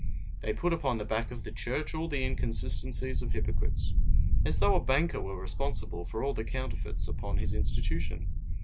They put upon the back of the Church all the inconsistencies of hypocrites as though a banker were responsible for all the counterfeits upon his institution!